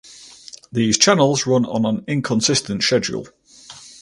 These channels run on an inconsistent schedule